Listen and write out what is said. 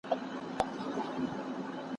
تل به مُلا د منصوري چیغي سنګسار نه ویني